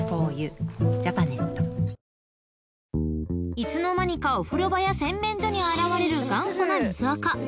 ［いつの間にかお風呂場や洗面所に現れる頑固な］